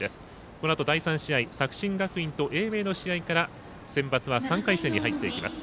このあと第３試合作新学院と英明の試合からセンバツは３回戦に入っていきます。